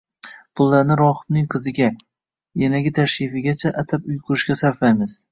Pullarni rohibning qiziga, yanagi tashrifigacha, atab uy qurishga sarflaymiz